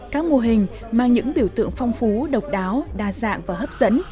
các mô hình mang những biểu tượng phong phú độc đáo đa dạng và hấp dẫn